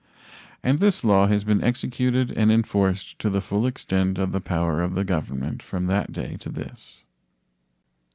And this law has been executed and enforced to the full extent of the power of the Government from that day to this.